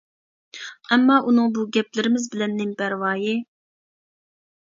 ئەمما ئۇنىڭ بۇ گەپلىرىمىز بىلەن نېمە پەرۋايى!